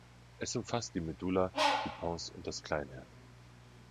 Es umfasst die Medulla, die Pons und das Kleinhirn.